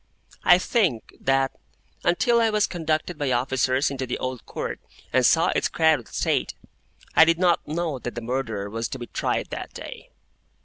I think that, until I was conducted by officers into the Old Court and saw its crowded state, I did not know that the Murderer was to be tried that day.